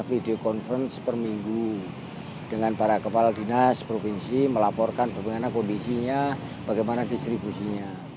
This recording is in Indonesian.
video conference per minggu dengan para kepala dinas provinsi melaporkan bagaimana kondisinya bagaimana distribusinya